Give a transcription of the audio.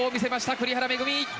栗原恵！